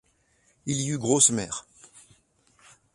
Il y eut grosse mer.